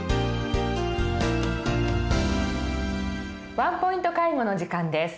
「ワンポイント介護」の時間です。